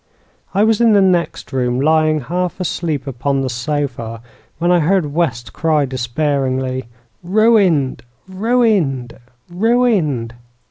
I was in the next room, lying half asleep upon the sofa, when I heard West cry despairingly: 'Ruined ruined ruined!'